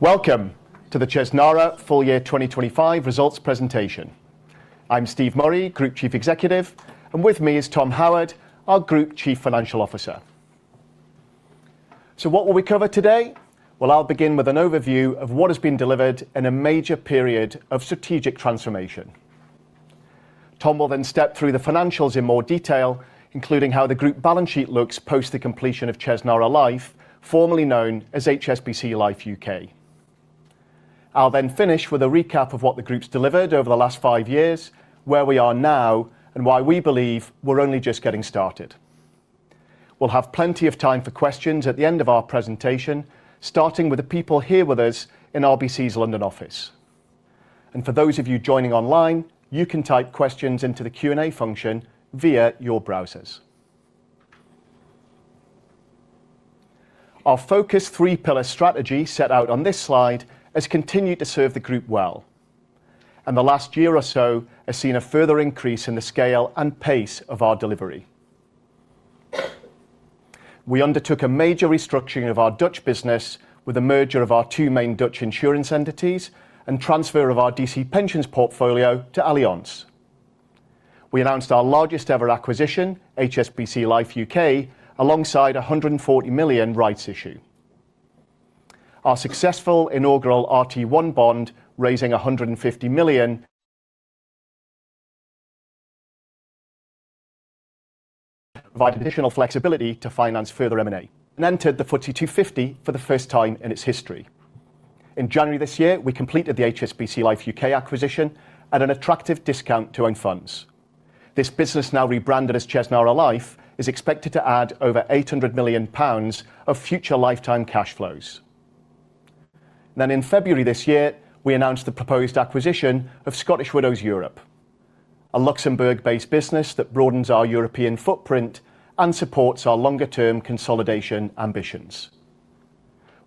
Welcome to the Chesnara Full Year 2025 Results Presentation. I'm Steve Murray, Group Chief Executive, and with me is Tom Howard, our Group Chief Financial Officer. What will we cover today? Well, I'll begin with an overview of what has been delivered in a major period of strategic transformation. Tom will then step through the financials in more detail, including how the group balance sheet looks post the completion of Chesnara Life, formerly known as HSBC Life (UK). I'll then finish with a recap of what the Group's delivered over the last five years, where we are now, and why we believe we're only just getting started. We'll have plenty of time for questions at the end of our presentation, starting with the people here with us in RBC's London office. For those of you joining online, you can type questions into the Q&A function via your browsers. Our focused three-pillar strategy set out on this slide has continued to serve the group well, and the last year or so has seen a further increase in the scale and pace of our delivery. We undertook a major restructuring of our Dutch business with the merger of our two main Dutch insurance entities and transfer of our DC pensions portfolio to Allianz. We announced our largest ever acquisition, HSBC Life (UK), alongside a 140 million rights issue. Our successful inaugural RT1 bond raising 150 million provided additional flexibility to finance further M&A and entered the FTSE 250 for the first time in its history. In January this year, we completed the HSBC Life (UK) acquisition at an attractive discount to own funds. This business, now rebranded as Chesnara Life, is expected to add over 800 million pounds of future lifetime cash flows. In February this year, we announced the proposed acquisition of Scottish Widows Europe, a Luxembourg-based business that broadens our European footprint and supports our longer-term consolidation ambitions.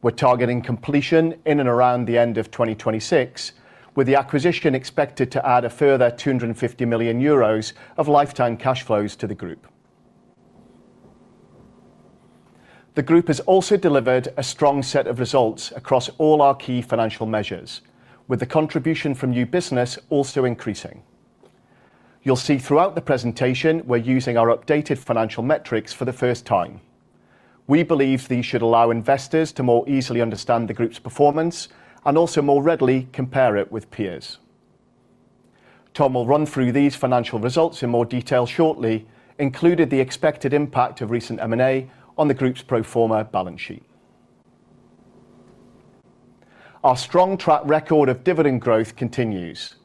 We're targeting completion in and around the end of 2026, with the acquisition expected to add a further 250 million euros of lifetime cash flows to the group. The group has also delivered a strong set of results across all our key financial measures, with the contribution from new business also increasing. You'll see throughout the presentation, we're using our updated financial metrics for the first time. We believe these should allow investors to more easily understand the group's performance and also more readily compare it with peers. Tom will run through these financial results in more detail shortly, including the expected impact of recent M&A on the group's pro forma balance sheet. Our strong track record of dividend growth continues.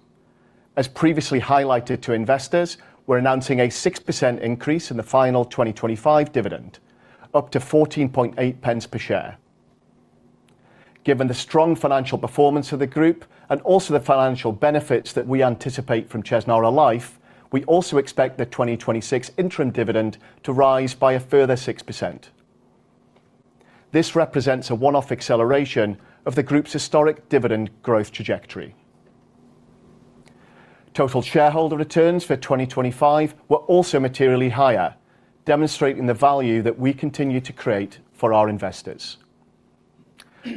As previously highlighted to investors, we're announcing a 6% increase in the final 2025 dividend, up to 0.148 per share. Given the strong financial performance of the group and also the financial benefits that we anticipate from Chesnara Life, we also expect the 2026 interim dividend to rise by a further 6%. This represents a one-off acceleration of the group's historic dividend growth trajectory. Total shareholder returns for 2025 were also materially higher, demonstrating the value that we continue to create for our investors.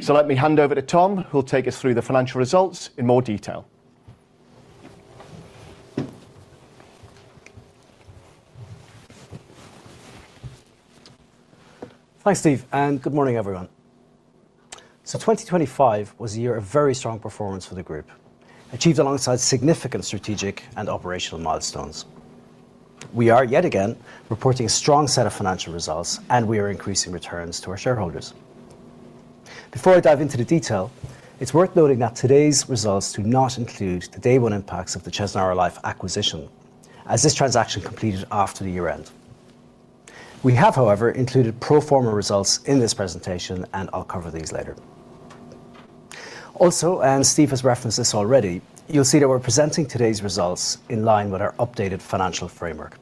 Let me hand over to Tom, who will take us through the financial results in more detail. Thanks, Steve, and good morning, everyone. 2025 was a year of very strong performance for the group, achieved alongside significant strategic and operational milestones. We are yet again reporting a strong set of financial results, and we are increasing returns to our shareholders. Before I dive into the detail, it's worth noting that today's results do not include the day one impacts of the Chesnara Life acquisition, as this transaction completed after the year-end. We have, however, included pro forma results in this presentation, and I'll cover these later. Also, and Steve has referenced this already, you'll see that we're presenting today's results in line with our updated financial framework.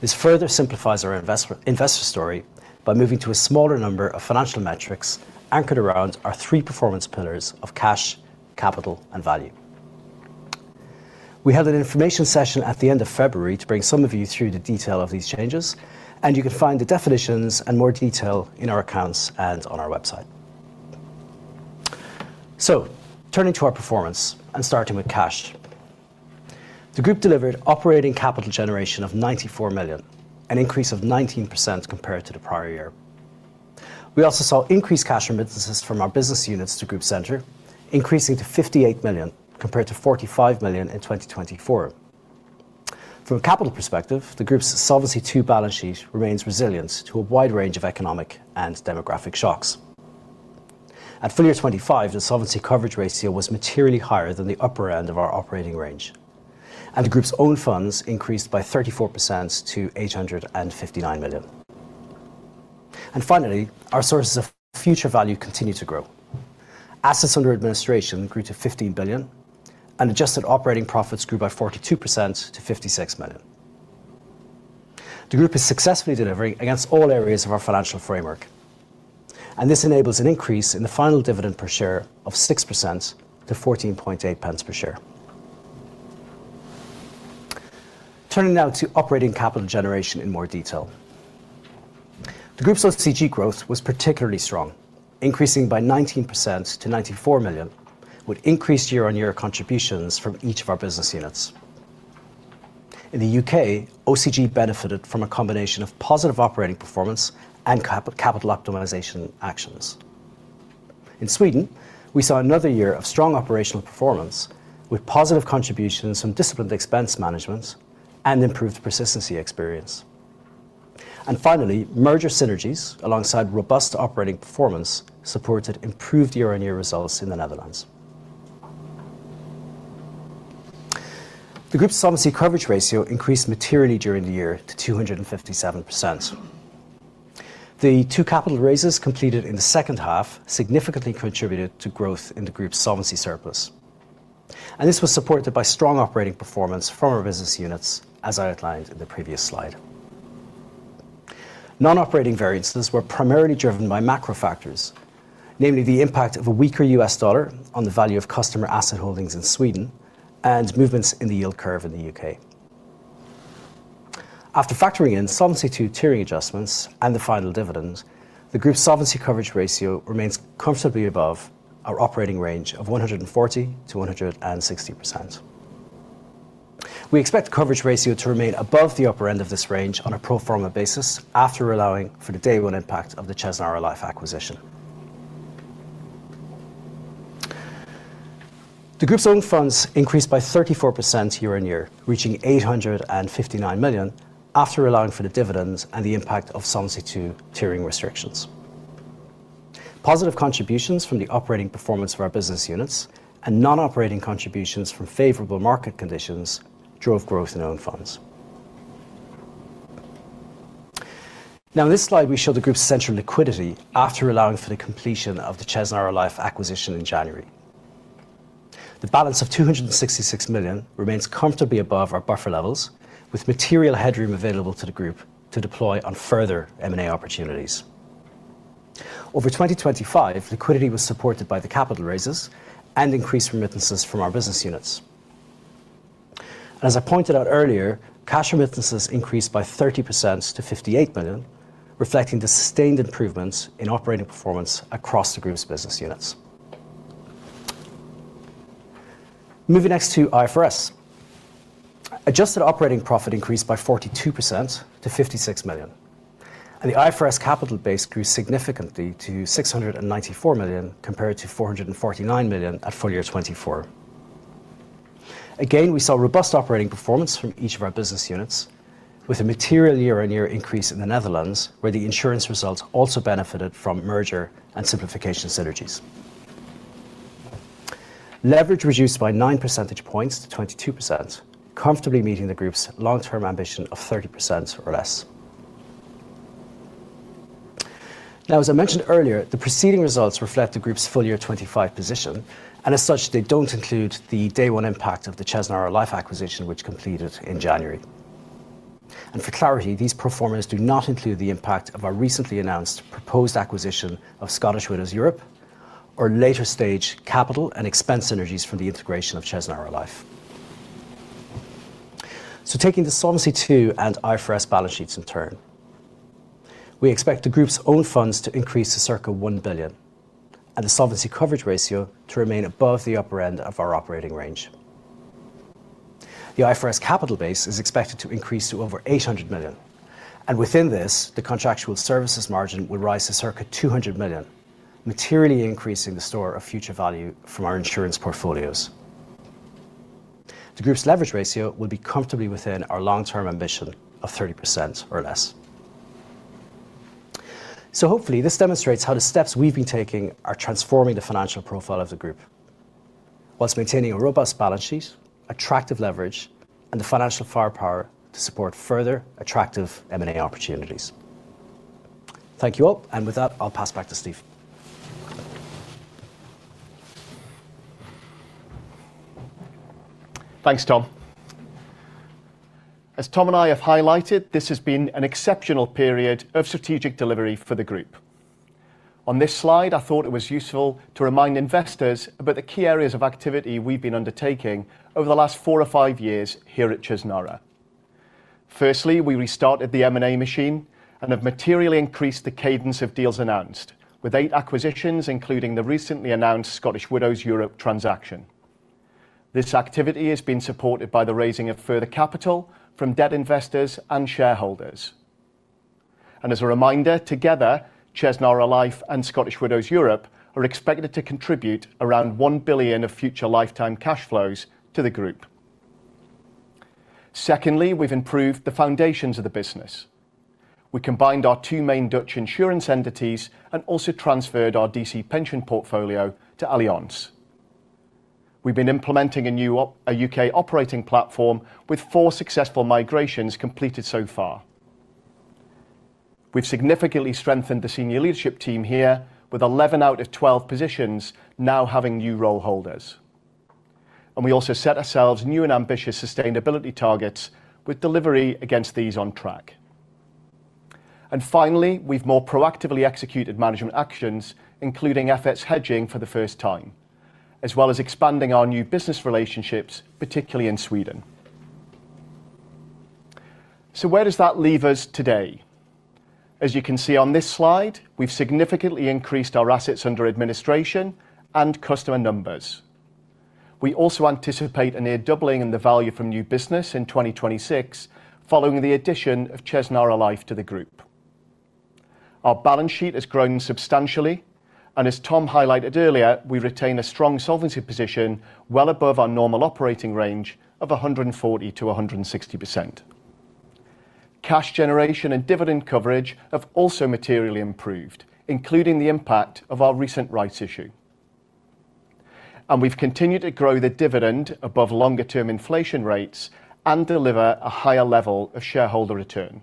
This further simplifies our investor story by moving to a smaller number of financial metrics anchored around our three performance pillars of cash, capital and value. We held an information session at the end of February to bring some of you through the detail of these changes, and you can find the definitions and more detail in our accounts and on our website. Turning to our performance and starting with cash. The group delivered operating capital generation of 94 million, an increase of 19% compared to the prior year. We also saw increased cash remittances from our business units to group center, increasing to 58 million compared to 45 million in 2024. From a capital perspective, the group's Solvency II balance sheet remains resilient to a wide range of economic and demographic shocks. At full year 2025, the solvency coverage ratio was materially higher than the upper end of our operating range. The group's own funds increased by 34% to 859 million. Finally, our sources of future value continue to grow. Assets under administration grew to 15 billion, and adjusted operating profits grew by 42% to 56 million. The group is successfully delivering against all areas of our financial framework, and this enables an increase in the final dividend per share of 6% to 0.148 per share. Turning now to operating capital generation in more detail. The group's OCG growth was particularly strong, increasing by 19% to 94 million, with increased year-on-year contributions from each of our business units. In the U.K., OCG benefited from a combination of positive operating performance and capital optimization actions. In Sweden, we saw another year of strong operational performance with positive contributions from disciplined expense management and improved persistency experience. Finally, merger synergies alongside robust operating performance supported improved year-on-year results in the Netherlands. The group's solvency coverage ratio increased materially during the year to 257%. The two capital raises completed in the second half significantly contributed to growth in the group's solvency surplus. This was supported by strong operating performance from our business units, as I outlined in the previous slide. Non-operating variances were primarily driven by macro factors, namely the impact of a weaker U.S. dollar on the value of customer asset holdings in Sweden and movements in the yield curve in the U.K. After factoring in Solvency II tiering adjustments and the final dividend, the group's solvency coverage ratio remains comfortably above our operating range of 140%-160%. We expect the coverage ratio to remain above the upper end of this range on a pro forma basis after allowing for the day one impact of the Chesnara Life acquisition. The group's own funds increased by 34% year-on-year, reaching 859 million after allowing for the dividends and the impact of Solvency II tiering restrictions. Positive contributions from the operating performance of our business units and non-operating contributions from favorable market conditions drove growth in own funds. Now in this slide, we show the group's central liquidity after allowing for the completion of the Chesnara Life acquisition in January. The balance of 266 million remains comfortably above our buffer levels, with material headroom available to the group to deploy on further M&A opportunities. Over 2025, liquidity was supported by the capital raises and increased remittances from our business units. As I pointed out earlier, cash remittances increased by 30% to 58 million, reflecting the sustained improvements in operating performance across the group's business units. Moving next to IFRS. Adjusted operating profit increased by 42% to 56 million. The IFRS capital base grew significantly to 694 million compared to 449 million at FY 2024. Again, we saw robust operating performance from each of our business units with a material year-on-year increase in the Netherlands, where the insurance results also benefited from merger and simplification synergies. Leverage reduced by nine percentage points to 22%, comfortably meeting the group's long-term ambition of 30% or less. Now, as I mentioned earlier, the preceding results reflect the group's FY 2025 position, and as such, they don't include the day one impact of the Chesnara Life acquisition, which completed in January. For clarity, these pro formas do not include the impact of our recently announced proposed acquisition of Scottish Widows Europe or later stage capital and expense synergies from the integration of Chesnara Life. Taking the Solvency II and IFRS balance sheets in turn, we expect the group's own funds to increase to circa 1 billion and the solvency coverage ratio to remain above the upper end of our operating range. The IFRS capital base is expected to increase to over 800 million, and within this, the contractual service margin will rise to circa 200 million, materially increasing the store of future value from our insurance portfolios. The group's leverage ratio will be comfortably within our long-term ambition of 30% or less. Hopefully this demonstrates how the steps we've been taking are transforming the financial profile of the group while maintaining a robust balance sheet, attractive leverage, and the financial firepower to support further attractive M&A opportunities. Thank you all. With that, I'll pass back to Steve. Thanks, Tom. As Tom and I have highlighted, this has been an exceptional period of strategic delivery for the group. On this slide, I thought it was useful to remind investors about the key areas of activity we've been undertaking over the last four or five years here at Chesnara. Firstly, we restarted the M&A machine and have materially increased the cadence of deals announced with eight acquisitions, including the recently announced Scottish Widows Europe transaction. This activity has been supported by the raising of further capital from debt investors and shareholders. As a reminder, together, Chesnara Life and Scottish Widows Europe are expected to contribute around 1 billion of future lifetime cash flows to the group. Secondly, we've improved the foundations of the business. We combined our two main Dutch insurance entities and also transferred our DC pension portfolio to Allianz. We've been implementing a new a U.K. operating platform with four successful migrations completed so far. We've significantly strengthened the senior leadership team here with 11 out of 12 positions now having new role holders. We also set ourselves new and ambitious sustainability targets with delivery against these on track. Finally, we've more proactively executed management actions, including FX hedging for the first time, as well as expanding our new business relationships, particularly in Sweden. Where does that leave us today? As you can see on this slide, we've significantly increased our assets under administration and customer numbers. We also anticipate a near doubling in the value from new business in 2026 following the addition of Chesnara Life to the group. Our balance sheet has grown substantially, and as Tom highlighted earlier, we retain a strong solvency position well above our normal operating range of 140%-160%. Cash generation and dividend coverage have also materially improved, including the impact of our recent rights issue. We've continued to grow the dividend above longer-term inflation rates and deliver a higher level of shareholder return.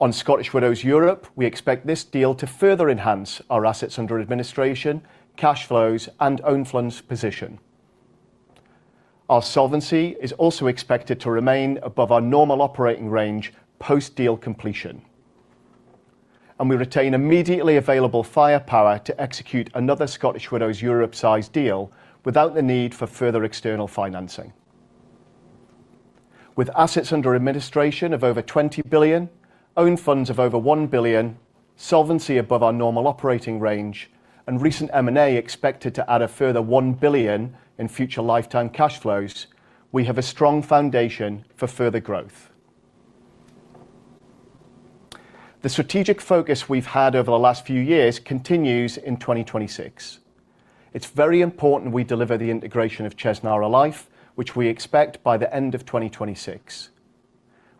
On Scottish Widows Europe, we expect this deal to further enhance our assets under administration, cash flows, and own funds position. Our solvency is also expected to remain above our normal operating range post-deal completion. We retain immediately available firepower to execute another Scottish Widows Europe-sized deal without the need for further external financing. With assets under administration of over 20 billion, own funds of over 1 billion, solvency above our normal operating range, and recent M&A expected to add a further 1 billion in future lifetime cash flows, we have a strong foundation for further growth. The strategic focus we've had over the last few years continues in 2026. It's very important we deliver the integration of Chesnara Life, which we expect by the end of 2026.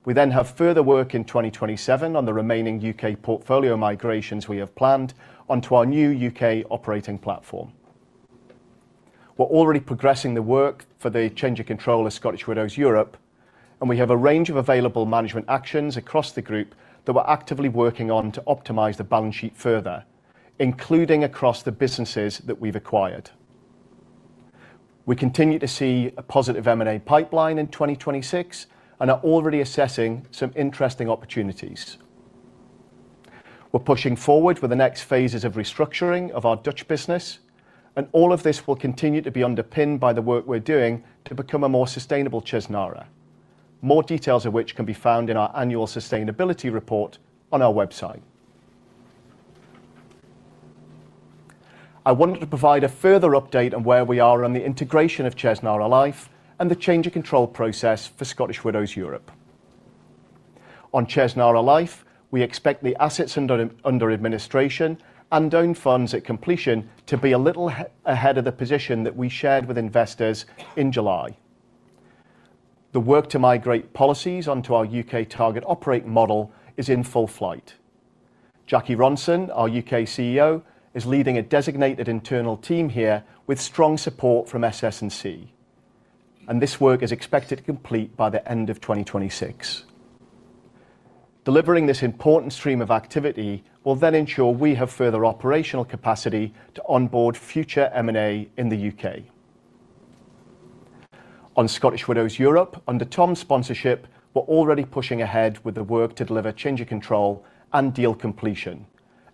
We then have further work in 2027 on the remaining U.K. portfolio migrations we have planned onto our new U.K. operating platform. We're already progressing the work for the change of control of Scottish Widows Europe, and we have a range of available management actions across the group that we're actively working on to optimize the balance sheet further, including across the businesses that we've acquired. We continue to see a positive M&A pipeline in 2026 and are already assessing some interesting opportunities. We're pushing forward with the next phases of restructuring of our Dutch business, and all of this will continue to be underpinned by the work we're doing to become a more sustainable Chesnara. More details of which can be found in our annual sustainability report on our website. I wanted to provide a further update on where we are on the integration of Chesnara Life and the change of control process for Scottish Widows Europe. On Chesnara Life, we expect the assets under administration and own funds at completion to be a little ahead of the position that we shared with investors in July. The work to migrate policies onto our U.K. target operating model is in full flight. Jackie Ronson, our U.K. CEO, is leading a designated internal team here with strong support from SS&C, and this work is expected to complete by the end of 2026. Delivering this important stream of activity will then ensure we have further operational capacity to onboard future M&A in the U.K. On Scottish Widows Europe, under Tom's sponsorship, we're already pushing ahead with the work to deliver change of control and deal completion,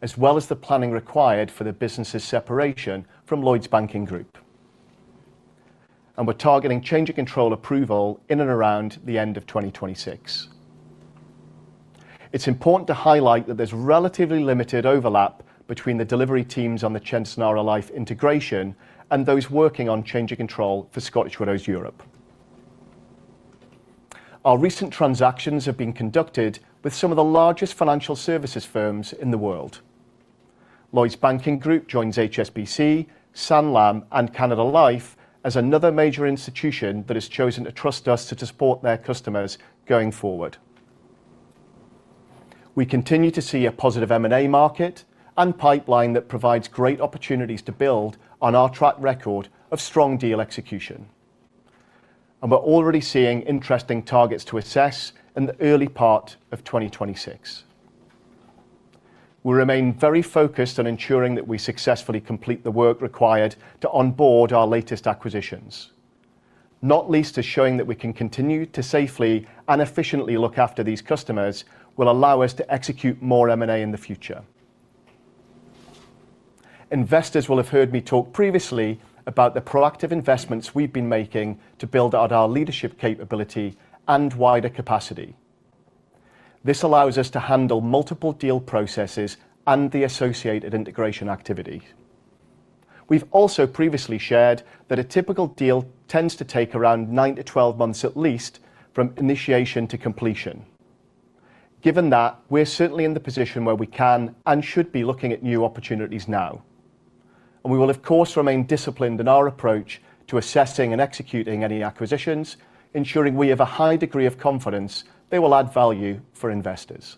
as well as the planning required for the business's separation from Lloyds Banking Group. We're targeting change of control approval in and around the end of 2026. It's important to highlight that there's relatively limited overlap between the delivery teams on the Chesnara Life integration and those working on change of control for Scottish Widows Europe. Our recent transactions have been conducted with some of the largest financial services firms in the world. Lloyds Banking Group joins HSBC, Sanlam, and Canada Life as another major institution that has chosen to trust us to support their customers going forward. We continue to see a positive M&A market and pipeline that provides great opportunities to build on our track record of strong deal execution. We're already seeing interesting targets to assess in the early part of 2026. We remain very focused on ensuring that we successfully complete the work required to onboard our latest acquisitions. Not least is showing that we can continue to safely and efficiently look after these customers, will allow us to execute more M&A in the future. Investors will have heard me talk previously about the proactive investments we've been making to build out our leadership capability and wider capacity. This allows us to handle multiple deal processes and the associated integration activity. We've also previously shared that a typical deal tends to take around nine to 12 months at least from initiation to completion. Given that, we're certainly in the position where we can and should be looking at new opportunities now. We will of course remain disciplined in our approach to assessing and executing any acquisitions, ensuring we have a high degree of confidence they will add value for investors.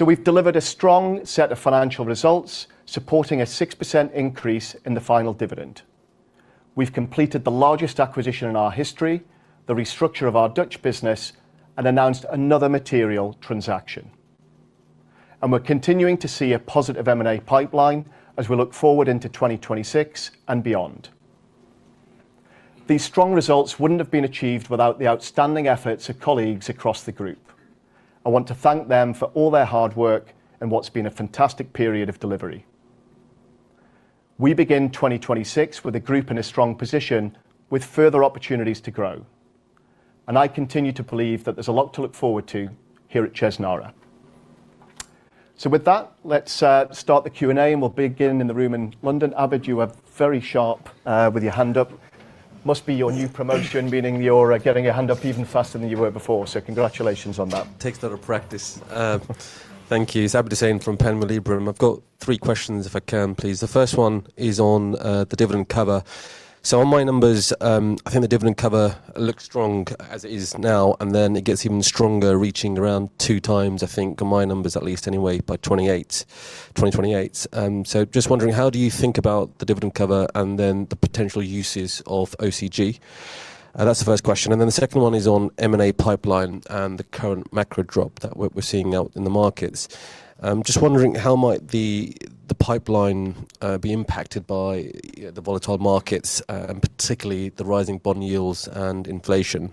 We've delivered a strong set of financial results, supporting a 6% increase in the final dividend. We've completed the largest acquisition in our history, the restructure of our Dutch business, and announced another material transaction. We're continuing to see a positive M&A pipeline as we look forward into 2026 and beyond. These strong results wouldn't have been achieved without the outstanding efforts of colleagues across the group. I want to thank them for all their hard work in what's been a fantastic period of delivery. We begin 2026 with the group in a strong position with further opportunities to grow, and I continue to believe that there's a lot to look forward to here at Chesnara. With that, let's start the Q&A, and we'll begin in the room in London. Abid, you are very sharp with your hand up. Must be your new promotion, meaning you're getting your hand up even faster than you were before. Congratulations on that. Takes a lot of practice. Thank you. It's Abid Hussain from Panmure Liberum. I've got three questions, if I can, please. The first one is on the dividend cover. On my numbers, I think the dividend cover looks strong as it is now and then it gets even stronger, reaching around two times, I think, on my numbers at least anyway, by 2028. Just wondering, how do you think about the dividend cover and then the potential uses of OCG? That's the first question. The second one is on M&A pipeline and the current macro backdrop that we're seeing out in the markets. Just wondering how the pipeline be impacted by the volatile markets and particularly the rising bond yields and inflation?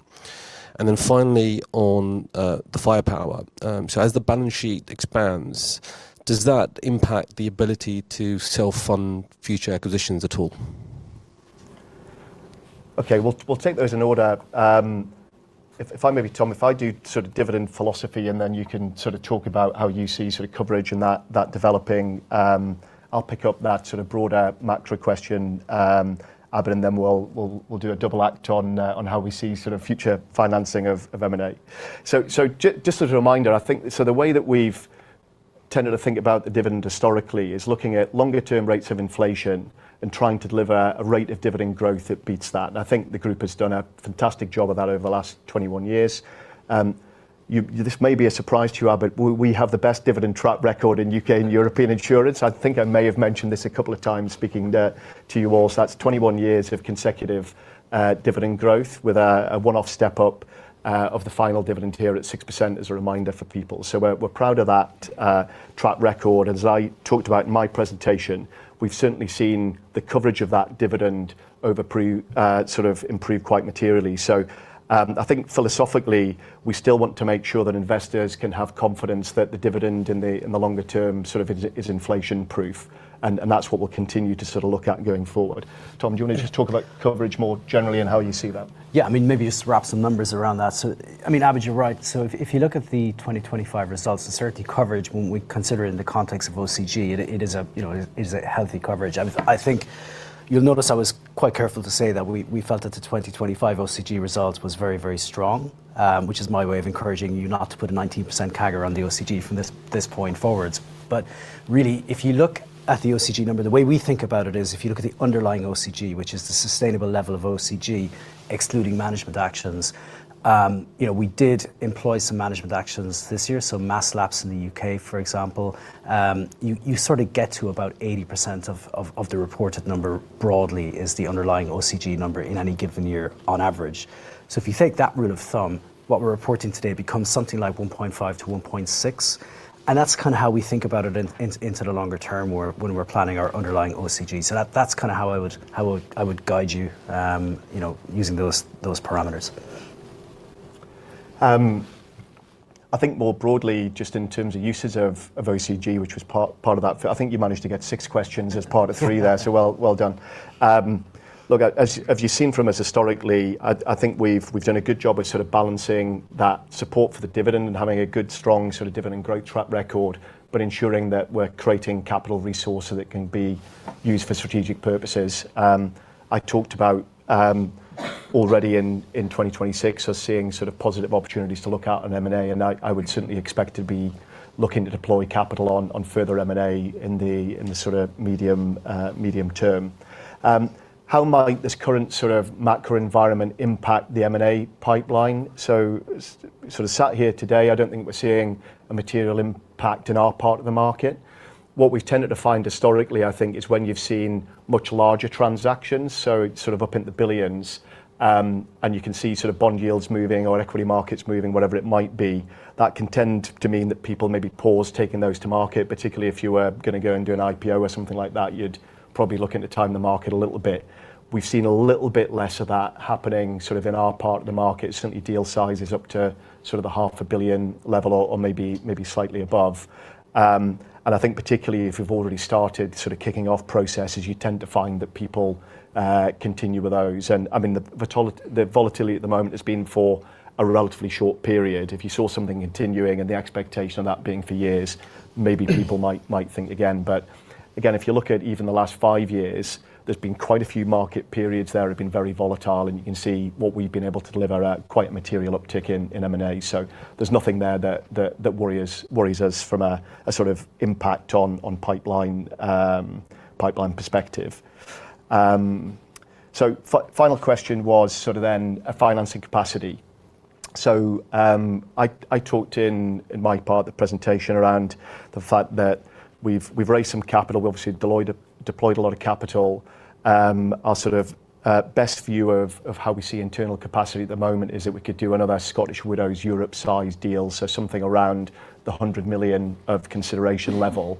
Finally on the firepower. As the balance sheet expands, does that impact the ability to self-fund future acquisitions at all? Okay, we'll take those in order. If I maybe, Tom, do sort of dividend philosophy, and then you can sort of talk about how you see sort of coverage and that developing, I'll pick up that sort of broader macro question, Abid, and then we'll do a double act on how we see sort of future financing of M&A. Just as a reminder, I think the way that we've tended to think about the dividend historically is looking at longer term rates of inflation and trying to deliver a rate of dividend growth that beats that. I think the group has done a fantastic job of that over the last 21 years. You, this may be a surprise to you, Abid, we have the best dividend track record in U.K. and European insurance. I think I may have mentioned this a couple of times speaking to you all. That's 21 years of consecutive dividend growth with a one-off step up of the final dividend here at 6% as a reminder for people. We're proud of that track record. As I talked about in my presentation, we've certainly seen the coverage of that dividend over sort of improve quite materially. I think philosophically, we still want to make sure that investors can have confidence that the dividend in the longer term sort of is inflation proof. That's what we'll continue to sort of look at going forward. Tom, do you wanna just talk about coverage more generally and how you see that? Yeah, I mean, maybe just wrap some numbers around that. I mean, Abid, you're right. If you look at the 2025 results, the solvency coverage when we consider it in the context of OCG, you know, it is a healthy coverage. I think you'll notice I was quite careful to say that we felt that the 2025 OCG results was very strong, which is my way of encouraging you not to put a 19% CAGR on the OCG from this point forward. Really, if you look at the OCG number, the way we think about it is if you look at the underlying OCG, which is the sustainable level of OCG, excluding management actions, you know, we did employ some management actions this year. Mass lapse in the U.K., for example. You sort of get to about 80% of the reported number, broadly is the underlying OCG number in any given year on average. If you take that rule of thumb, what we're reporting today becomes something like 1.5-1.6, and that's kinda how we think about it into the longer term when we're planning our underlying OCG. That, that's kinda how I would guide you know, using those parameters. I think more broadly, just in terms of uses of OCG, which was part of that. I think you managed to get six questions as part of three there. Well done. Look, as you've seen from us historically, I think we've done a good job of sort of balancing that support for the dividend and having a good, strong sort of dividend growth track record, but ensuring that we're creating capital resource so that it can be used for strategic purposes. I talked about already in 2026 us seeing sort of positive opportunities to look at in M&A, and I would certainly expect to be looking to deploy capital on further M&A in the sort of medium term. How might this current sort of macro environment impact the M&A pipeline? Sitting here today, I don't think we're seeing a material impact in our part of the market. What we've tended to find historically, I think, is when you've seen much larger transactions, so sort of up in the billions, and you can see sort of bond yields moving or equity markets moving, whatever it might be. That can tend to mean that people maybe pause taking those to market, particularly if you were gonna go and do an IPO or something like that, you'd probably look to time the market a little bit. We've seen a little bit less of that happening sort of in our part of the market. Certainly deal size is up to sort of the half a billion level or maybe slightly above. I think particularly if you've already started sort of kicking off processes, you tend to find that people continue with those. I mean, the volatility at the moment has been for a relatively short period. If you saw something continuing and the expectation of that being for years, maybe people might think again. Again, if you look at even the last five years, there's been quite a few market periods there have been very volatile, and you can see what we've been able to deliver at quite a material uptick in M&A. There's nothing there that worries us from a sort of impact on pipeline perspective. Final question was sort of then a financing capacity. I talked in my part of the presentation around the fact that we've raised some capital. Obviously, Deloitte has deployed a lot of capital. Our sort of best view of how we see internal capacity at the moment is that we could do another Scottish Widows Europe-sized deal, so something around the 100 million of consideration level.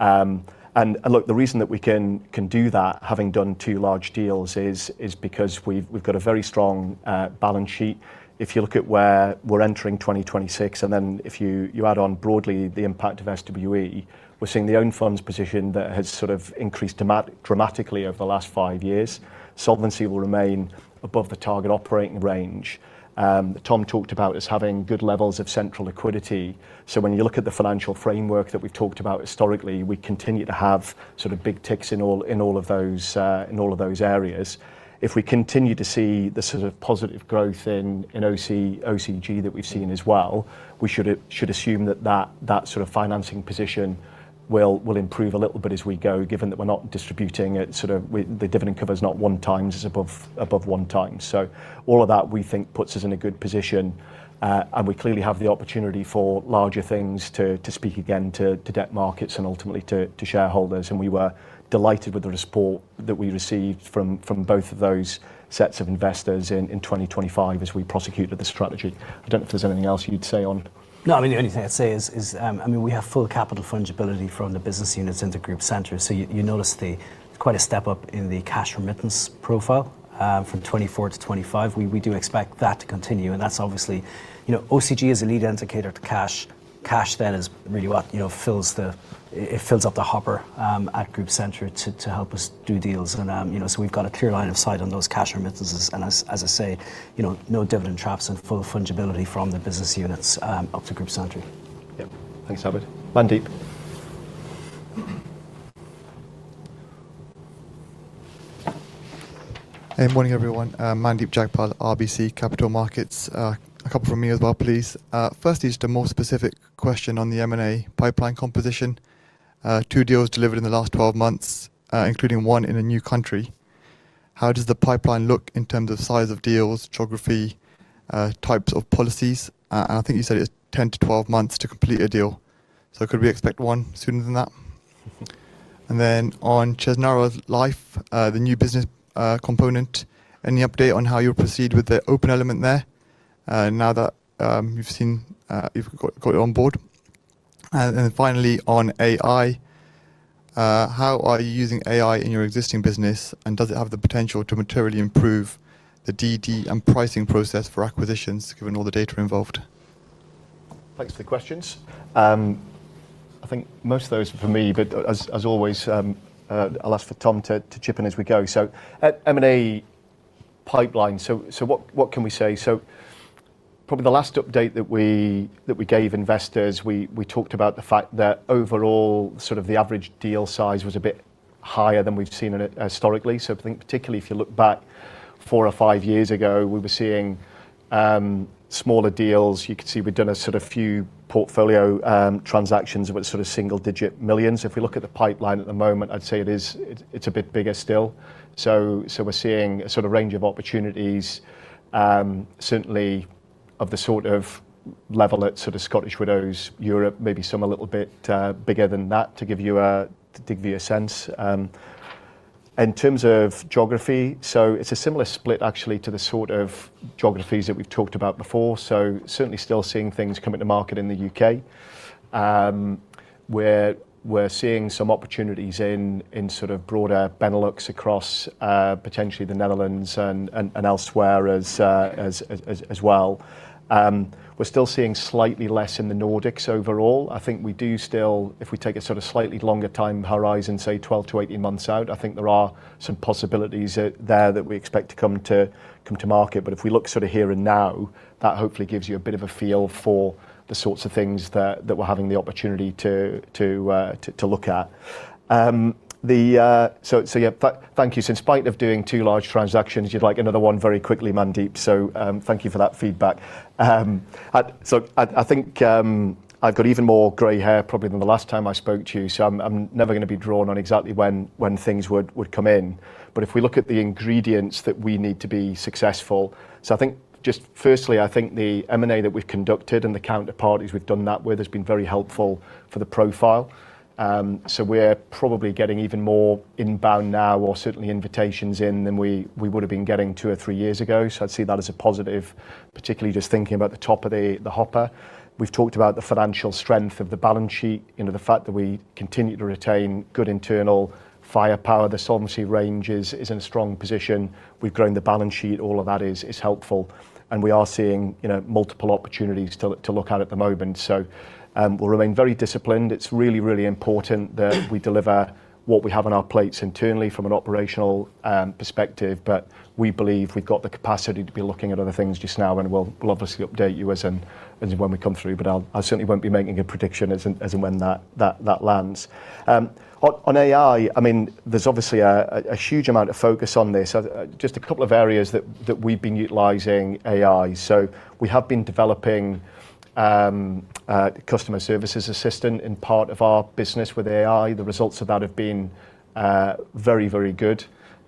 Look, the reason that we can do that, having done two large deals is because we've got a very strong balance sheet. If you look at where we're entering 2026, and then if you add on broadly the impact of SWE, we're seeing the own funds position that has sort of increased dramatically over the last five years. Solvency will remain above the target operating range. Tom talked about us having good levels of central liquidity. When you look at the financial framework that we've talked about historically, we continue to have sort of big ticks in all of those areas. If we continue to see the sort of positive growth in OCG that we've seen as well, we should assume that sort of financing position will improve a little bit as we go, given that we're not distributing it, sort of the dividend cover is not one times, it's above one times. All of that, we think, puts us in a good position, and we clearly have the opportunity for larger things to speak again to debt markets and ultimately to shareholders. We were delighted with the support that we received from both of those sets of investors in 2025 as we prosecuted the strategy. I don't know if there's anything else you'd say on No, I mean, the only thing I'd say is, we have full capital fungibility from the business units into group center. You notice there's quite a step up in the cash remittance profile from 2024 to 2025. We do expect that to continue, and that's obviously, you know, OCG is a lead indicator to cash. Cash then is really what, you know, fills up the hopper at group center to help us do deals. You know, so we've got a clear line of sight on those cash remittances. As I say, you know, no dividend traps and full fungibility from the business units up to group center. Yeah. Thanks, Abid. Mandeep. Hey, morning, everyone. Mandeep Jagpal, RBC Capital Markets. A couple from me as well, please. Firstly, just a more specific question on the M&A pipeline composition. Two deals delivered in the last 12 months, including one in a new country. How does the pipeline look in terms of size of deals, geography, types of policies? I think you said it's 10-12 months to complete a deal. Could we expect one sooner than that? On Chesnara Life, the new business component. Any update on how you proceed with the open element there, now that you've got it on board? Finally, on AI, how are you using AI in your existing business, and does it have the potential to materially improve the DD and pricing process for acquisitions, given all the data involved? Thanks for the questions. I think most of those are for me, but as always, I'll ask for Tom to chip in as we go. At M&A pipeline, what can we say? Probably the last update that we gave investors, we talked about the fact that overall, sort of the average deal size was a bit higher than we've seen it historically. I think particularly if you look back four or five years ago, we were seeing smaller deals. You could see we've done a sort of few portfolio transactions with sort of single-digit millions. If we look at the pipeline at the moment, I'd say it's a bit bigger still. We're seeing a sort of range of opportunities, certainly of the sort of level at sort of Scottish Widows Europe, maybe some a little bit bigger than that to give you a sense. In terms of geography, it's a similar split actually to the sort of geographies that we've talked about before. Certainly still seeing things come into market in the U.K. We're seeing some opportunities in sort of broader Benelux across potentially the Netherlands and elsewhere as well. We're still seeing slightly less in the Nordics overall. I think we do still, if we take a sort of slightly longer time horizon, say 12-18 months out, I think there are some possibilities out there that we expect to come to market. If we look sort of here and now, that hopefully gives you a bit of a feel for the sorts of things that we're having the opportunity to look at. Thank you. In spite of doing two large transactions, you'd like another one very quickly, Mandeep. Thank you for that feedback. I think I've got even more gray hair probably than the last time I spoke to you, so I'm never gonna be drawn on exactly when things would come in. If we look at the ingredients that we need to be successful, I think just firstly, I think the M&A that we've conducted and the counterparties we've done that with has been very helpful for the profile. We're probably getting even more inbound now or certainly invitations in than we would have been getting two or three years ago. I'd see that as a positive, particularly just thinking about the top of the hopper. We've talked about the financial strength of the balance sheet, you know, the fact that we continue to retain good internal firepower. The solvency range is in a strong position. We've grown the balance sheet. All of that is helpful. We are seeing, you know, multiple opportunities to look at the moment. We'll remain very disciplined. It's really important that we deliver what we have on our plates internally from an operational perspective. We believe we've got the capacity to be looking at other things just now, and we'll obviously update you as and when we come through. I certainly won't be making a prediction as and when that lands. On AI, I mean, there's obviously a huge amount of focus on this. Just a couple of areas that we've been utilizing AI. We have been developing a customer services assistant in part of our business with AI. The results of that have been very good,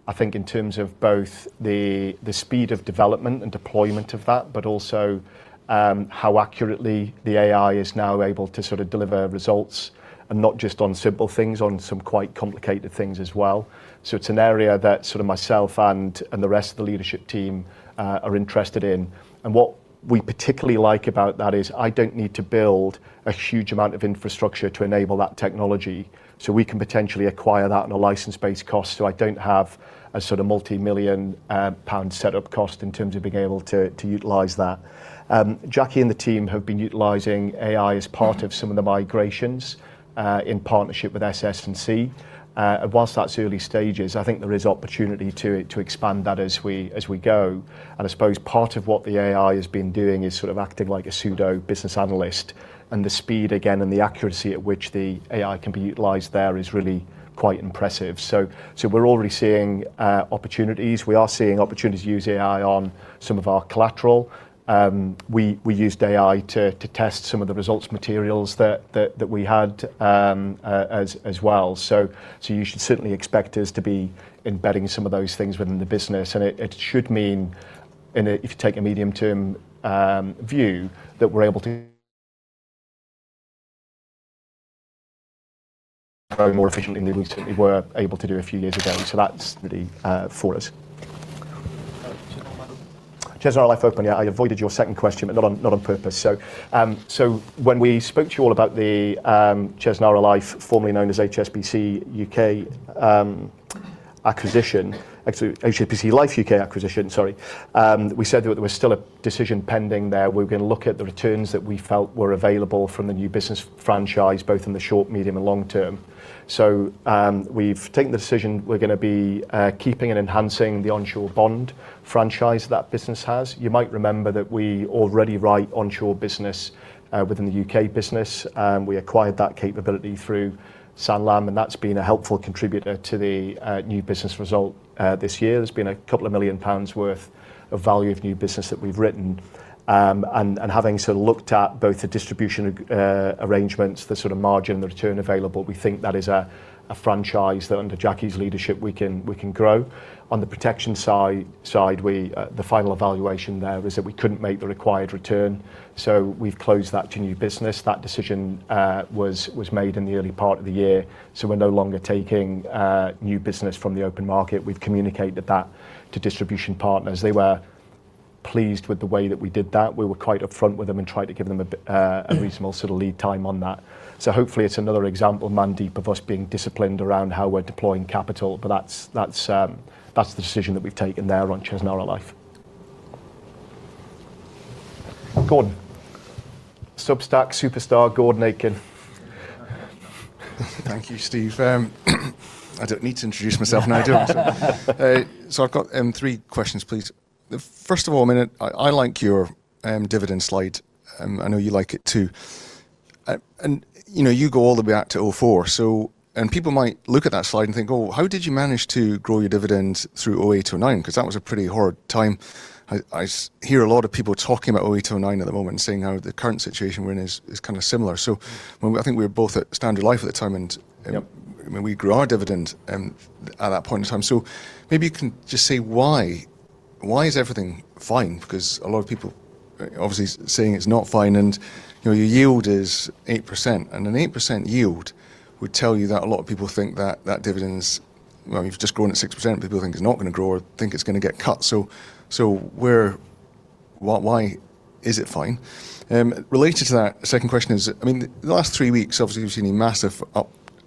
I think, in terms of both the speed of development and deployment of that, but also how accurately the AI is now able to sort of deliver results and not just on simple things, on some quite complicated things as well. It's an area that sort of myself and the rest of the leadership team are interested in. What we particularly like about that is I don't need to build a huge amount of infrastructure to enable that technology. We can potentially acquire that on a license-based cost. I don't have a sort of multi-million pounds setup cost in terms of being able to utilize that. Jackie and the team have been utilizing AI as part of some of the migrations in partnership with SS&C. While that's early stages, I think there is opportunity to expand that as we go. I suppose part of what the AI has been doing is sort of acting like a pseudo business analyst. The speed again and the accuracy at which the AI can be utilized there is really quite impressive. We're already seeing opportunities to use AI on some of our collateral. We used AI to test some of the results materials that we had, as well. You should certainly expect us to be embedding some of those things within the business. It should mean if you take a medium-term view that we're able to grow more efficiently than we were able to do a few years ago. That's really for us. Chesnara Life open. Yeah. I avoided your second question, but not on purpose. When we spoke to you all about the Chesnara Life, formerly known as HSBC Life (UK), acquisition. Actually, HSBC Life (UK) acquisition, sorry. We said that there was still a decision pending there. We were gonna look at the returns that we felt were available from the new business franchise, both in the short, medium, and long term. We've taken the decision, we're gonna be keeping and enhancing the onshore bond franchise that business has. You might remember that we already write onshore business within the U.K. business, and we acquired that capability through Sanlam, and that's been a helpful contributor to the new business result this year. There's been a couple of million pounds worth of value of new business that we've written. Having sort of looked at both the distribution arrangements, the sort of margin, the return available, we think that is a franchise that under Jackie's leadership we can grow. On the protection side, the final evaluation there was that we couldn't make the required return. We've closed that to new business. That decision was made in the early part of the year, so we're no longer taking new business from the open market. We've communicated that to distribution partners. They were pleased with the way that we did that. We were quite upfront with them and tried to give them a bit a reasonable sort of lead time on that. Hopefully it's another example, Mandeep, of us being disciplined around how we're deploying capital. That's the decision that we've taken there on Chesnara Life. Gordon. Substack superstar, Gordon Aitken. Thank you, Steve. I don't need to introduce myself. No, I don't. I've got three questions, please. The first of all, I mean, I like your dividend slide. I know you like it, too. You know, you go all the way back to 2004. People might look at that slide and think, "Oh, how did you manage to grow your dividend through 2008 to 2009?" 'Cause that was a pretty hard time. I hear a lot of people talking about 2008 to 2009 at the moment, saying how the current situation we're in is kind of similar. I think we were both at Standard Life at the time. Yep. I mean, we grew our dividend at that point in time. Maybe you can just say why. Why is everything fine? Because a lot of people obviously saying it's not fine, and, you know, your yield is 8%. An 8% yield would tell you that a lot of people think that that dividend's. Well, you've just grown at 6%. People think it's not gonna grow or think it's gonna get cut. Why is it fine? Related to that, second question is, I mean, the last three weeks, obviously, we've seen a massive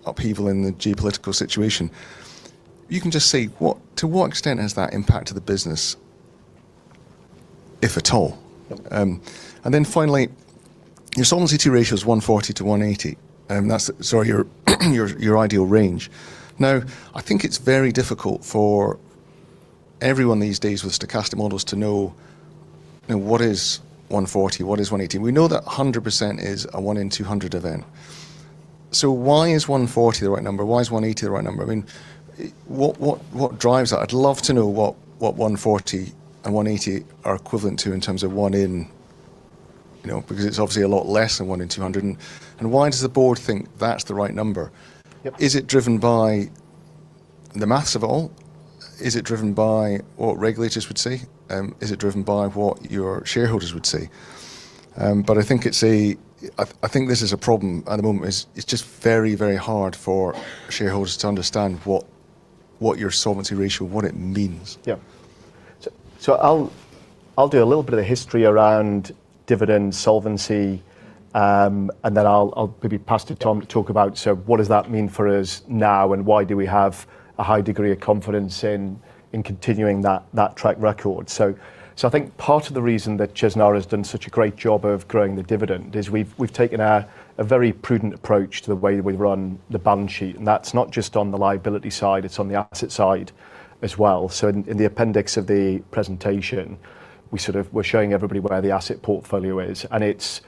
upheaval in the geopolitical situation. If you can just say to what extent has that impacted the business, if at all? And then finally, your solvency ratio is 140%-180%, that's sort of your ideal range. Now, I think it's very difficult for everyone these days with stochastic models to know, you know, what is 140%, what is 180%. We know that 100% is a one in 200 event. Why is 140% the right number? Why is 180% the right number? I mean, what drives that? I'd love to know what 140% and 180% are equivalent to in terms of one in, you know, because it's obviously a lot less than one in 200. Why does the Board think that's the right number? Yep. Is it driven by the math of it all? Is it driven by what regulators would say? Is it driven by what your shareholders would say? I think this is a problem at the moment. It's just very, very hard for shareholders to understand what your solvency ratio, what it means. I'll do a little bit of the history around dividend solvency, and then I'll maybe pass to Tom to talk about what does that mean for us now, and why do we have a high degree of confidence in continuing that track record. I think part of the reason that Chesnara has done such a great job of growing the dividend is we've taken a very prudent approach to the way that we run the balance sheet, and that's not just on the liability side, it's on the asset side as well. In the appendix of the presentation, we're showing everybody where the asset portfolio is, and it's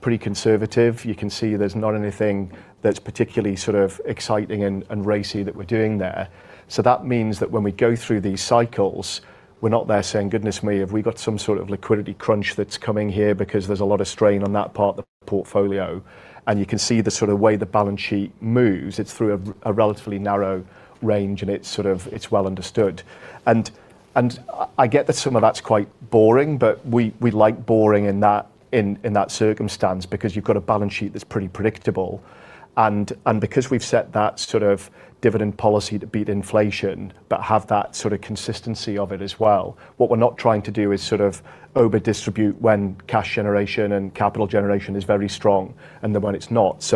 pretty conservative. You can see there's not anything that's particularly sort of exciting and racy that we're doing there. That means that when we go through these cycles, we're not there saying, "Goodness, me, have we got some sort of liquidity crunch that's coming here because there's a lot of strain on that part of the portfolio." You can see the sort of way the balance sheet moves. It's through a relatively narrow range, and it's sort of, it's well understood. I get that some of that's quite boring, but we like boring in that circumstance because you've got a balance sheet that's pretty predictable. Because we've set that sort of dividend policy to beat inflation, but have that sort of consistency of it as well, what we're not trying to do is sort of over distribute when cash generation and capital generation is very strong, and then when it's not.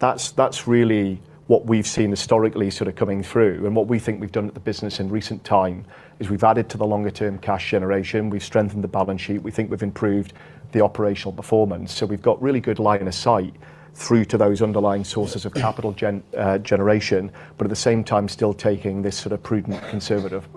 That's really what we've seen historically sort of coming through. What we think we've done at the business in recent time is we've added to the longer term cash generation. We've strengthened the balance sheet. We think we've improved the operational performance. We've got really good line of sight through to those underlying sources of capital generation, but at the same time, still taking this sort of prudent, conservative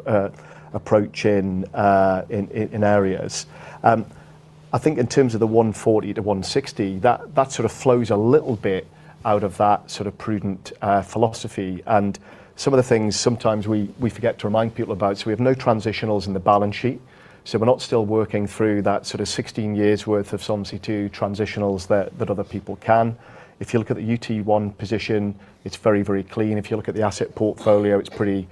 approach in areas. I think in terms of the 140%-160%, that sort of flows a little bit out of that sort of prudent philosophy, and some of the things sometimes we forget to remind people about. We have no transitionals in the balance sheet, so we're not still working through that sort of 16 years' worth of Solvency II transitionals that other people can. If you look at the RT1 position, it's very clean. If you look at the asset portfolio, it's pretty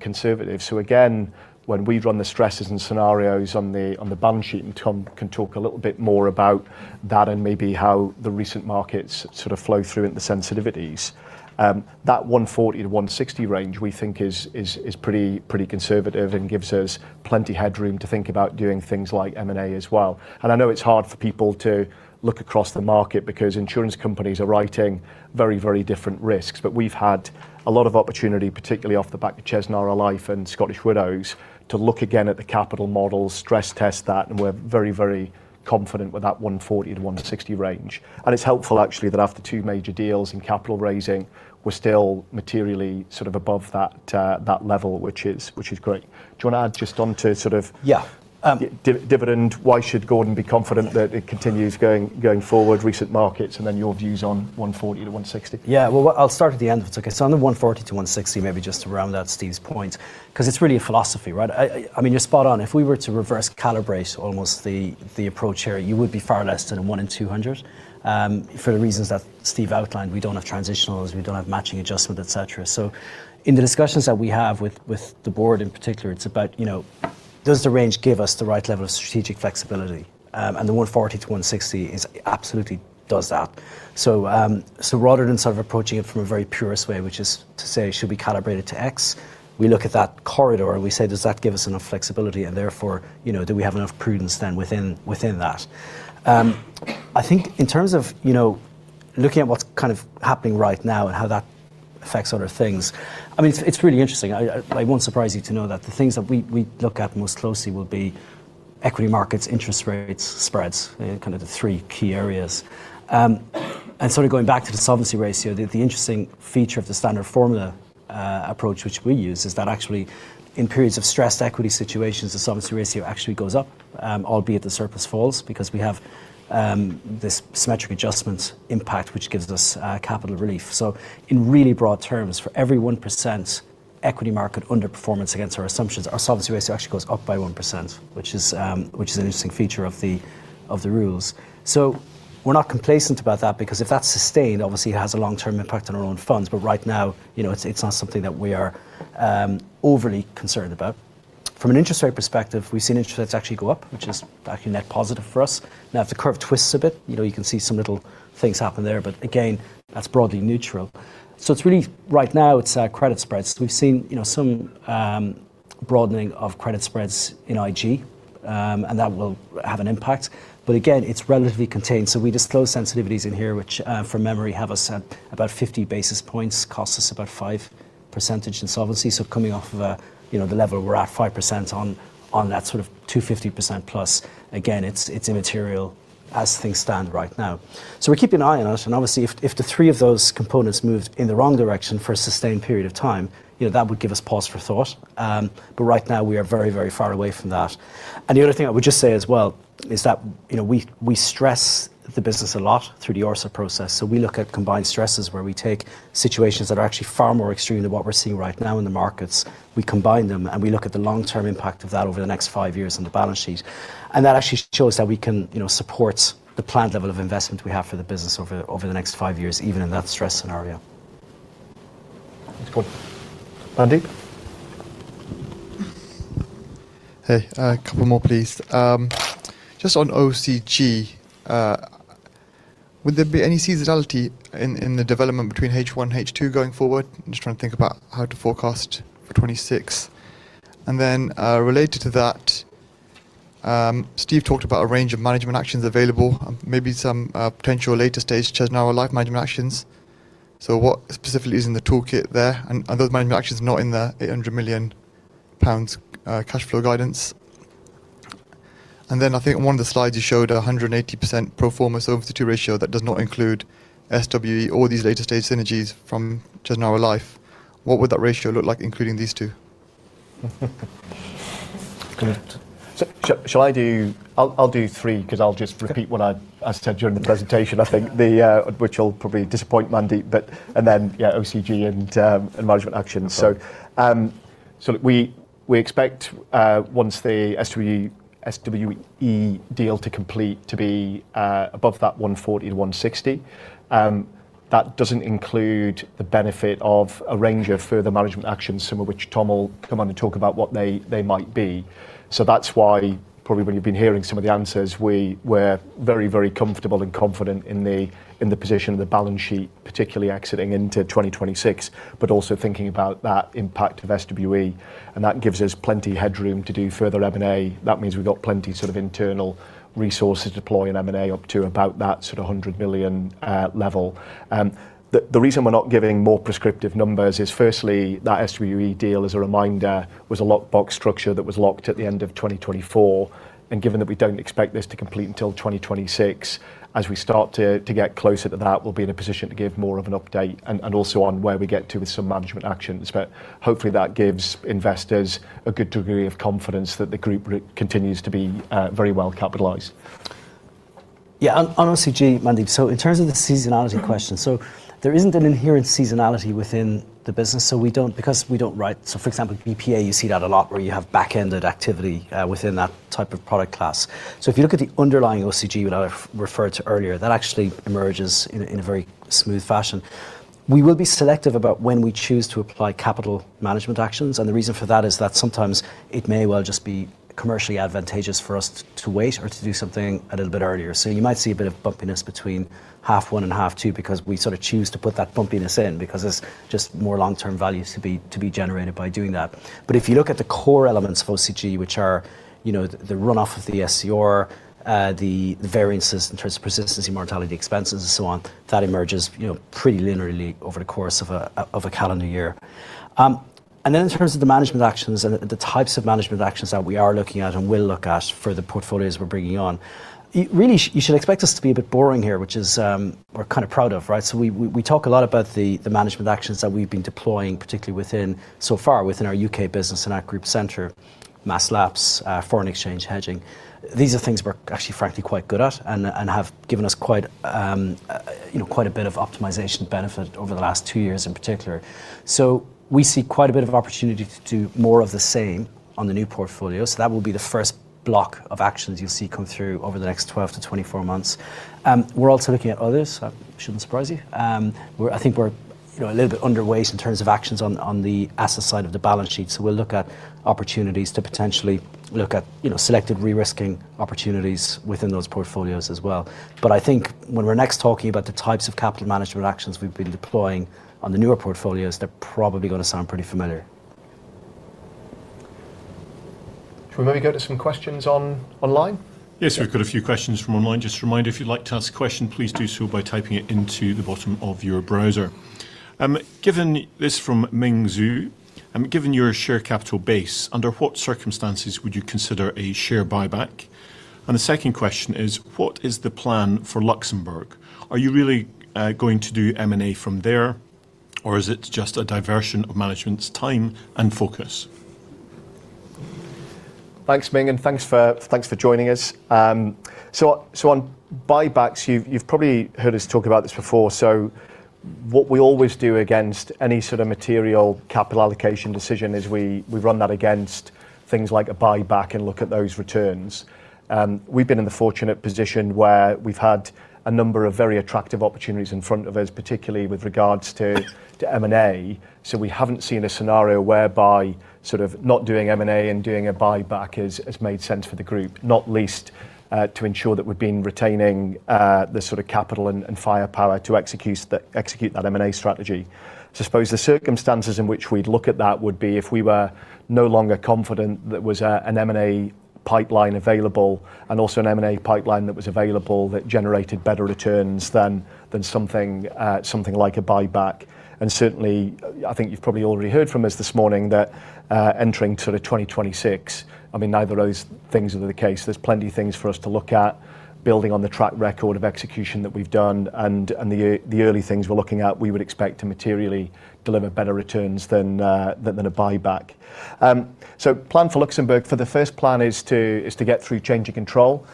conservative. Again, when we run the stresses and scenarios on the balance sheet, and Tom can talk a little bit more about that and maybe how the recent markets sort of flow through into sensitivities, that 140%-160% range we think is pretty conservative and gives us plenty headroom to think about doing things like M&A as well. I know it's hard for people to look across the market because insurance companies are writing very different risks. We've had a lot of opportunity, particularly off the back of Chesnara Life and Scottish Widows, to look again at the capital model, stress test that, and we're very, very confident with that 140%-160% range. It's helpful actually that after two major deals in capital raising, we're still materially sort of above that level, which is great. Do you wanna add just onto sort of- Yeah. Dividend, why should Gordon be confident that it continues going forward, recent markets, and then your views on 140-160. Well, I'll start at the end if it's okay. On the 140%-160%, maybe just to round out Steve's point, 'cause it's really a philosophy, right? I mean, you're spot on. If we were to reverse calibrate almost the approach here, you would be far less than a one in 200 for the reasons that Steve outlined. We don't have transitionals, we don't have matching adjustment, et cetera. In the discussions that we have with the board in particular, it's about, you know, does the range give us the right level of strategic flexibility? The 140%-160% absolutely does that. Rather than sort of approaching it from a very purist way, which is to say, should we calibrate it to X, we look at that corridor and we say, does that give us enough flexibility? Therefore, you know, do we have enough prudence then within that? I think in terms of, you know, looking at what's kind of happening right now and how that affects other things, I mean, it's really interesting. It won't surprise you to know that the things that we look at most closely will be equity markets, interest rates, spreads, kind of the three key areas. Sort of going back to the solvency ratio, the interesting feature of the standard formula approach which we use is that actually in periods of stressed equity situations, the solvency ratio actually goes up, albeit the surplus falls because we have this symmetric adjustment impact which gives us capital relief. In really broad terms, for every 1% equity market underperformance against our assumptions, our solvency ratio actually goes up by 1% which is an interesting feature of the rules. We're not complacent about that because if that's sustained, obviously it has a long-term impact on our own funds, but right now, you know, it's not something that we are overly concerned about. From an interest rate perspective, we've seen interest rates actually go up, which is actually a net positive for us. Now if the curve twists a bit, you know, you can see some little things happen there, but again, that's broadly neutral. It's really, right now it's credit spreads. We've seen, you know, some broadening of credit spreads in IG, and that will have an impact. But again, it's relatively contained. We disclose sensitivities in here, which from memory have us at about 50 basis points, costs us about five percentage points in solvency. Coming off of a, you know, the level we're at, 5% on that sort of 250%+, again, it's immaterial as things stand right now. We're keeping an eye on it, and obviously if the three of those components moved in the wrong direction for a sustained period of time, you know, that would give us pause for thought. Right now we are very, very far away from that. The other thing I would just say as well is that, you know, we stress the business a lot through the ORSA process. We look at combined stresses where we take situations that are actually far more extreme than what we're seeing right now in the markets. We combine them, and we look at the long-term impact of that over the next five years on the balance sheet. That actually shows that we can, you know, support the planned level of investment we have for the business over the next five years, even in that stress scenario. Good point. Mandeep? Hey. A couple more, please. Just on OCG, would there be any seasonality in the development between H1 and H2 going forward? I'm just trying to think about how to forecast for 2026. Related to that, Steve talked about a range of management actions available, maybe some potential later stage Chesnara Life management actions. What specifically is in the toolkit there? And are those management actions not in the 800 million pounds cash flow guidance? I think on one of the slides, you showed a 180% pro forma Solvency II ratio that does not include SWE or these later stage synergies from Chesnara Life. What would that ratio look like including these two? I'll do three 'cause I'll just repeat what I said during the presentation. I think, which will probably disappoint Mandeep, but then OCG and management actions. Look, we expect once the SWE deal to complete to be above that 140%-160%. That doesn't include the benefit of a range of further management actions, some of which Tom will come on and talk about what they might be. That's why probably when you've been hearing some of the answers, we were very comfortable and confident in the position of the balance sheet, particularly exiting into 2026, but also thinking about that impact of SWE, and that gives us plenty headroom to do further M&A. That means we've got plenty of internal resources to deploy in M&A up to about that sort of 100 million level. The reason we're not giving more prescriptive numbers is firstly, that SWE deal, as a reminder, was a lockbox structure that was locked at the end of 2024. Given that we don't expect this to complete until 2026, as we start to get closer to that, we'll be in a position to give more of an update and also on where we get to with some management actions. Hopefully, that gives investors a good degree of confidence that the group continues to be very well capitalized. Yeah, on OCG, Mandeep. In terms of the seasonality question, there isn't an inherent seasonality within the business. For example, BPA, you see that a lot where you have back-ended activity within that type of product class. If you look at the underlying OCG that I referred to earlier, that actually emerges in a very smooth fashion. We will be selective about when we choose to apply capital management actions, and the reason for that is that sometimes it may well just be commercially advantageous for us to wait or to do something a little bit earlier. You might see a bit of bumpiness between half one and half two because we sort of choose to put that bumpiness in because there's just more long-term values to be generated by doing that. But if you look at the core elements of OCG, which are, you know, the runoff of the SCR, the variances in terms of persistency, mortality, expenses, and so on, that emerges, you know, pretty linearly over the course of a calendar year. And then in terms of the management actions and the types of management actions that we are looking at and will look at for the portfolios we're bringing on, you really should expect us to be a bit boring here, which is, we're kind of proud of, right? We talk a lot about the management actions that we've been deploying, particularly so far within our U.K. business and our group center, mass lapse, foreign exchange hedging. These are things we're actually frankly quite good at and have given us quite you know quite a bit of optimization benefit over the last two years in particular. We see quite a bit of opportunity to do more of the same on the new portfolio. That will be the first block of actions you'll see come through over the next 12-24 months. We're also looking at others. That shouldn't surprise you. I think we're you know a little bit underweight in terms of actions on the asset side of the balance sheet. We'll look at opportunities to potentially look at, you know, selected re-risking opportunities within those portfolios as well. I think when we're next talking about the types of capital management actions we've been deploying on the newer portfolios, they're probably gonna sound pretty familiar. Shall we maybe go to some questions online? Yes, we've got a few questions from online. Just a reminder, if you'd like to ask a question, please do so by typing it into the bottom of your browser. Given this from Ming Zhu, given your share capital base, under what circumstances would you consider a share buyback? And the second question is, what is the plan for Luxembourg? Are you really going to do M&A from there, or is it just a diversion of management's time and focus? Thanks, Ming, and thanks for joining us. On buybacks, you've probably heard us talk about this before. What we always do against any sort of material capital allocation decision is we run that against things like a buyback and look at those returns. We've been in the fortunate position where we've had a number of very attractive opportunities in front of us, particularly with regards to M&A. We haven't seen a scenario whereby sort of not doing M&A and doing a buyback has made sense for the group, not least to ensure that we've been retaining the sort of capital and firepower to execute that M&A strategy. I suppose the circumstances in which we'd look at that would be if we were no longer confident there was an M&A pipeline available and also an M&A pipeline that was available that generated better returns than something like a buyback. Certainly, I think you've probably already heard from us this morning that, entering sort of 2026, I mean, neither of those things are the case. There's plenty of things for us to look at, building on the track record of execution that we've done and the early things we're looking at, we would expect to materially deliver better returns than a buyback. Plan for Luxembourg. The first plan is to get through change of control,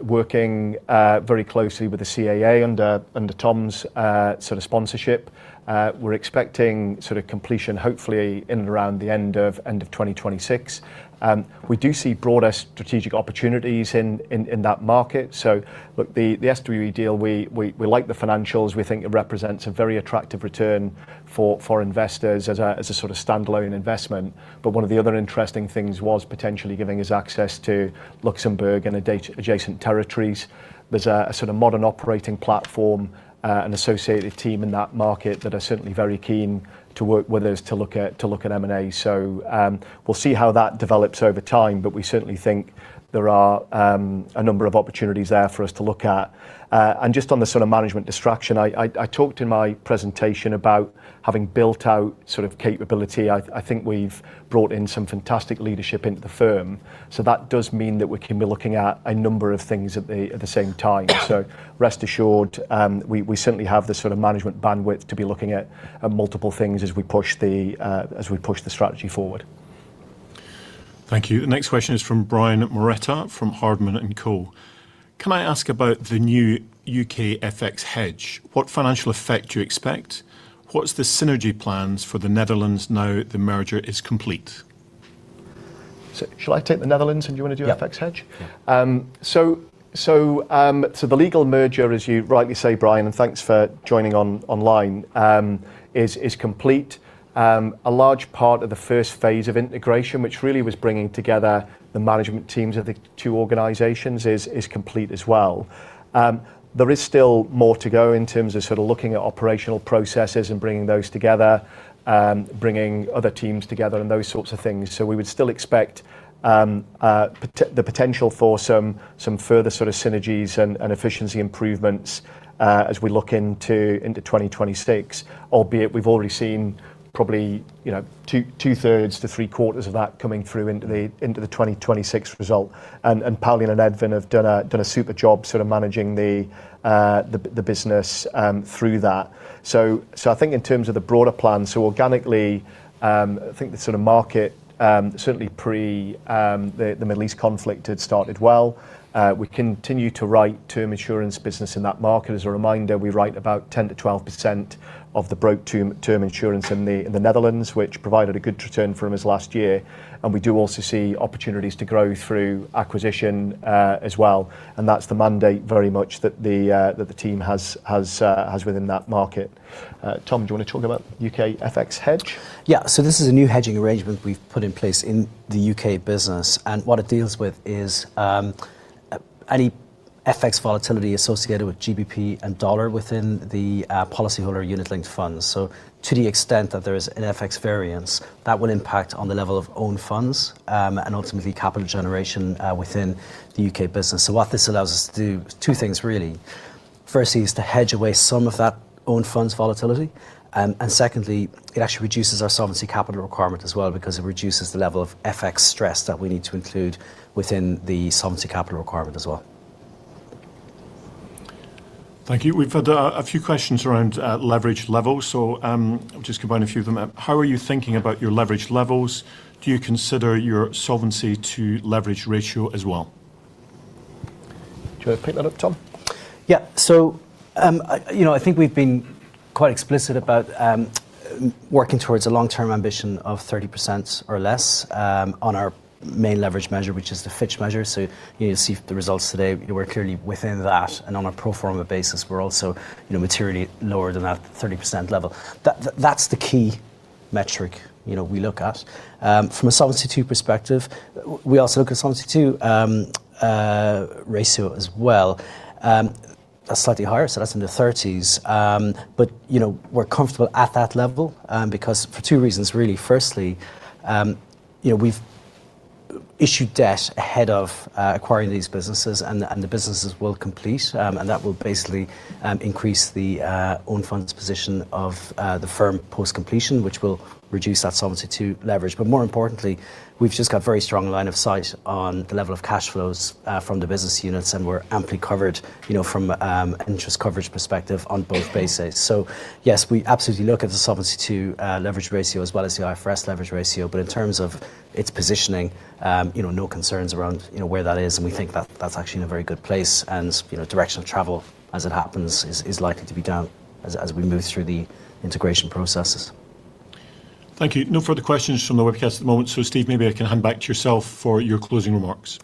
working very closely with the CAA under Tom's sort of sponsorship. We're expecting sort of completion hopefully in and around the end of 2026. We do see broader strategic opportunities in that market. Look, the SWE deal, we like the financials. We think it represents a very attractive return for investors as a sort of standalone investment. One of the other interesting things was potentially giving us access to Luxembourg and adjacent territories. There's a sort of modern operating platform and associated team in that market that are certainly very keen to work with us to look at M&A. We'll see how that develops over time, but we certainly think there are a number of opportunities there for us to look at. Just on the sort of management distraction, I talked in my presentation about having built out sort of capability. I think we've brought in some fantastic leadership into the firm. That does mean that we can be looking at a number of things at the same time. Rest assured, we certainly have the sort of management bandwidth to be looking at multiple things as we push the strategy forward. Thank you. The next question is from Brian Moretta, from Hardman & Co. Can I ask about the new U.K. FX hedge? What financial effect do you expect? What's the synergy plans for the Netherlands now the merger is complete? Shall I take the Netherlands and you wanna do FX hedge? Yeah. The legal merger, as you rightly say, Brian, and thanks for joining online, is complete. A large part of the first phase of integration, which really was bringing together the management teams of the two organizations is complete as well. There is still more to go in terms of sort of looking at operational processes and bringing those together, bringing other teams together and those sorts of things. We would still expect the potential for some further sort of synergies and efficiency improvements as we look into 2026. Albeit we've already seen probably, you know, two-thirds to three-quarters of that coming through into the 2026 result. Pauline and Edwin have done a super job sort of managing the business through that. I think in terms of the broader plan, organically, I think the sort of market certainly before the Middle East conflict had started well. We continue to write term insurance business in that market. As a reminder, we write about 10%-12% of the broker term insurance in the Netherlands, which provided a good return for us last year. We do also see opportunities to grow through acquisition as well. That's the mandate very much that the team has within that market. Tom, do you wanna talk about U.K. FX hedging? Yeah. This is a new hedging arrangement we've put in place in the U.K. business, and what it deals with is. Any FX volatility associated with GBP and dollar within the policyholder unit-linked funds. To the extent that there is an FX variance, that will impact on the level of own funds, and ultimately capital generation, within the U.K. business. What this allows us to do is two things really, firstly is to hedge away some of that own funds volatility, and secondly it actually reduces our solvency capital requirement as well because it reduces the level of FX stress that we need to include within the solvency capital requirement as well. Thank you. We've had a few questions around leverage levels, so I'll just combine a few of them. How are you thinking about your leverage levels? Do you consider your solvency to leverage ratio as well? Do you wanna pick that up, Tom? Yeah. You know, I think we've been quite explicit about working towards a long-term ambition of 30% or less on our main leverage measure, which is the Fitch measure. You're gonna see the results today. We're clearly within that, and on a pro forma basis we're also, you know, materially lower than that 30% level. That's the key metric, you know, we look at. From a Solvency II perspective, we also look at Solvency II ratio as well. That's slightly higher, so that's in the 30s. You know, we're comfortable at that level because for two reasons really. Firstly, you know, we've issued debt ahead of acquiring these businesses, and the businesses will complete. That will basically increase the own funds position of the firm post-completion, which will reduce that Solvency II-to-leverage. More importantly, we've just got very strong line of sight on the level of cash flows from the business units, and we're amply covered, you know, from an interest coverage perspective on both bases. Yes, we absolutely look at the Solvency II leverage ratio as well as the IFRS leverage ratio. In terms of its positioning, you know, no concerns around, you know, where that is, and we think that that's actually in a very good place and, you know, direction of travel as it happens is likely to be down as we move through the integration processes. Thank you. No further questions from the webcast at the moment. Steve, maybe I can hand back to yourself for your closing remarks.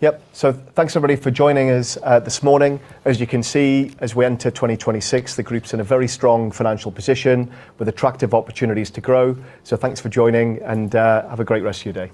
Yep. Thanks, everybody, for joining us this morning. As you can see, as we enter 2026, the group's in a very strong financial position with attractive opportunities to grow. Thanks for joining and have a great rest of your day.